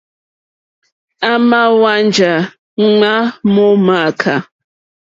À mà hwánjá ŋmá mó mááká.